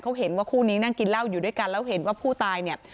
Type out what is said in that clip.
เขาเห็นว่าคู่นี้นั่งกินเหล้าอยู่ด้วยกันแล้วเห็นว่าผู้ตายเนี่ย